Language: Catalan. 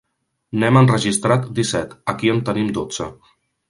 N'hem enregistrat disset, aquí en tenim dotze.